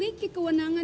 untuk memberikan maksimal